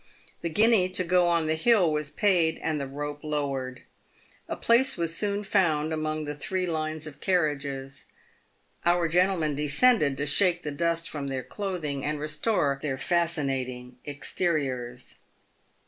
The guinea to go on the hill was paid, and the rope lowered. A place was soon found among the three lines of carriages. Our gentlemen de scended to shake the dust from their clothing, and restore their fasci nating exteriors.